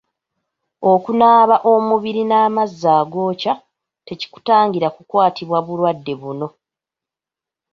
Okunaaba omubiri n’amazzi agookya tekikutangira kukwatibwa bulwadde buno.